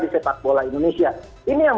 di sepak bola indonesia ini yang